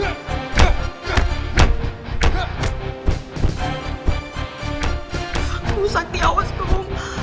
aku sakti awasku